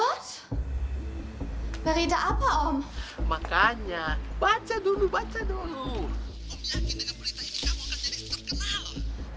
om yakin dengan berita ini kamu akan jadi terkenal om